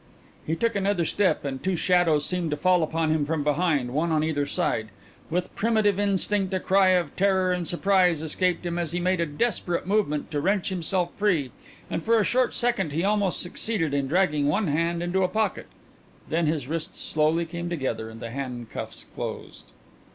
He took another step and two shadows seemed to fall upon him from behind, one on either side. With primitive instinct a cry of terror and surprise escaped him as he made a desperate movement to wrench himself free, and for a short second he almost succeeded in dragging one hand into a pocket. Then his wrists slowly came together and the handcuffs closed.